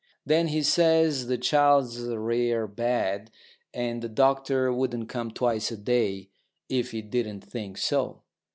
Then he says the child's rare bad, and the doctor wouldn't come twice a day if he didn't think so.